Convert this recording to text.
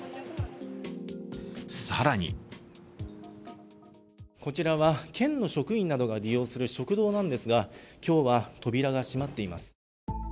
更にこちらは県の職員などが利用する食堂なんですが今日は扉が閉まっています。